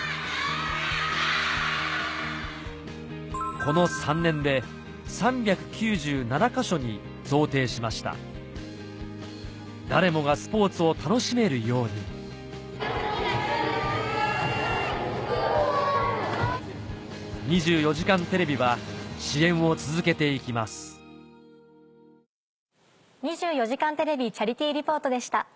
この３年で３９７か所に贈呈しました誰もがスポーツを楽しめるように『２４時間テレビ』は支援を続けて行きます「２４時間テレビチャリティー・リポート」でした。